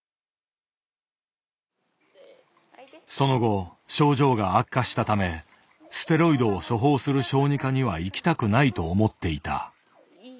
その後症状が悪化したためステロイドを処方する小児科には行きたくないと思っていた。